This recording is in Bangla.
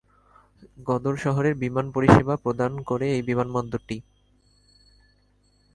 গদর শহরের বিমান পরিসেবা প্রদান করে এই বিমানবন্দরটি।